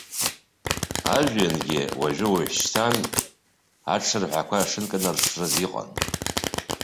Ажәҩангьы уажәы-уашьҭан аҽырҳәа ақәа шынканаршрыз иҟан.